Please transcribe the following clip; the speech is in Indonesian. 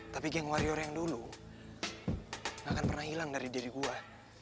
tapi geng warrior yang dulu akan pernah hilang dari diri gue